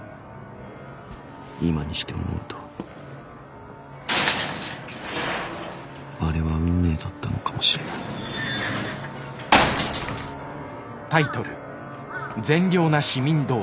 今にして思うとあれは運命だったのかもしれないは初めまして。